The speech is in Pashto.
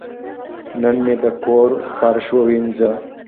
نن مې د کور فرش ووینځه.